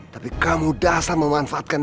tapi kamu dasar memanfaatkannya